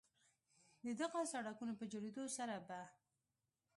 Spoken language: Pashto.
د دغو سړکونو په جوړېدو سره به